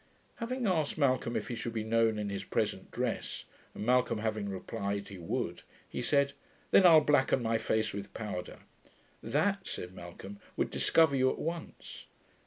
Having asked Malcolm if he should be known in his present dress, and Malcolm having replied he would, he said, 'Then I'll blacken my face with powder.' 'That,' said Malcolm, 'would discover you at once.'